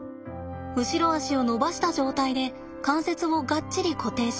後ろ足を伸ばした状態で関節をがっちり固定します。